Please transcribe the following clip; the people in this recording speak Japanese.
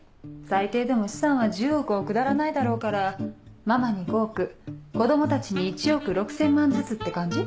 最低でも資産は１０億を下らないだろうからママに５億子供たちに１億６０００万ずつって感じ。